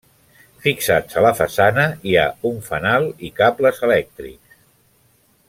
Fixats a la façana hi ha un fanal i cables elèctrics.